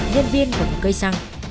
nhân viên của một cây xăng